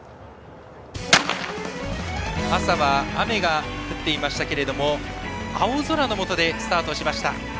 朝は、雨が降っていましたが青空の下でスタートをしました。